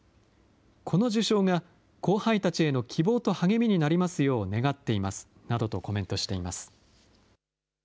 この受章が後輩たちへの希望と励みになりますよう願っていますなどとコメントしています。